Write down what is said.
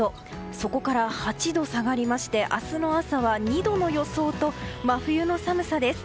そこから８度下がりまして明日の朝は２度の予想と真冬の寒さです。